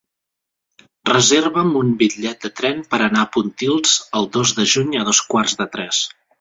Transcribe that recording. Reserva'm un bitllet de tren per anar a Pontils el dos de juny a dos quarts de tres.